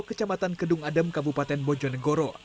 kecamatan kedung adem kabupaten bojonegoro